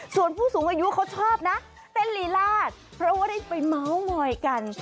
ส่วนผู้สูงอายุเขาชอบนะเต้นลีลาดเพราะว่าได้ไปเมาส์มอยกัน